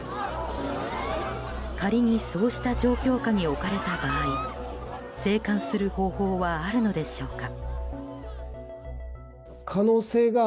仮にそうした状況下に置かれた場合生還する方法はあるのでしょうか。